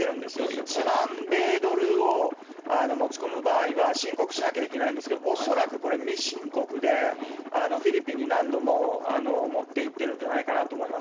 １万米ドルを持ち込む場合は申告しなきゃいけないんですけど、恐らくこれ、未申告で、フィリピンに何度も持っていってるんじゃないかなと思います。